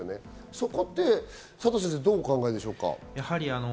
そこって佐藤先生はどうお考えですか？